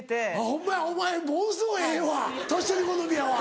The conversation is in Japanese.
ホンマやお前ものすごいええわ年寄り好みやわ。